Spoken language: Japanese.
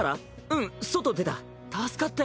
うん外出た。